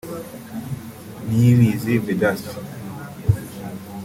Niyibizi Vedaste